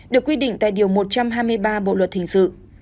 được quy định tại điều một trăm hai mươi ba bộ luật hình sự